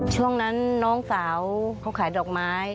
ช่วงนั้นน้องสาวเขาขายดอกไม้